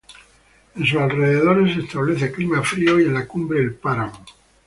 En sus alrededores se establece clima frío y en la cumbre el páramo.